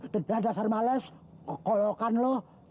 dengan dasar males kekolokan lo